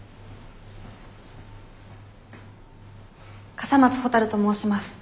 笠松ほたると申します。